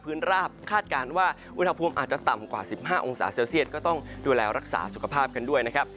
ราบคาดการณ์ว่าอุณหภูมิอาจจะต่ำกว่า๑๕องศาเซลเซียตก็ต้องดูแลรักษาสุขภาพกันด้วยนะครับ